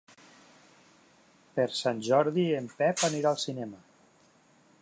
Per Sant Jordi en Pep anirà al cinema.